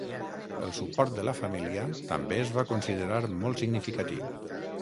El suport de la família també es va considerar molt significatiu.